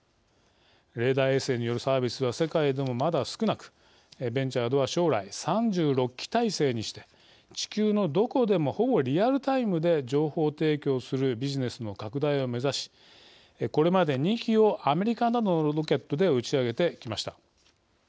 レーダー衛星によるサービスは世界でもまだ少なくベンチャーでは将来、３６機体制にして地球のどこでもほぼリアルタイムで情報提供するビジネスの拡大を目指しこれまで２機をアメリカなどのロケットで打ち上げてきました。